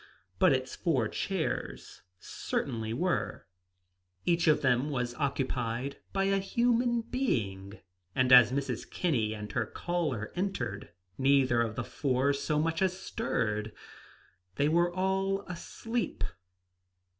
But its four chairs certainly were. Each of them was occupied by a human being; and as Mrs. Kinney and her caller entered, neither of the four so much as stirred. They were all asleep.